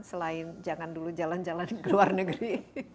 selain jangan dulu jalan jalan ke luar negeri